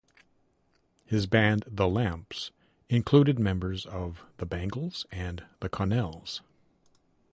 His band The Lamps included members of the Bangles and The Connells.